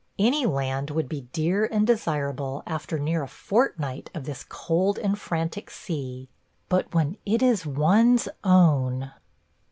Any land would be dear and desirable after near a fortnight of this cold and frantic sea – but when it is one's own –